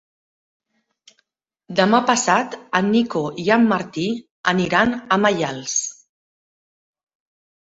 Demà passat en Nico i en Martí aniran a Maials.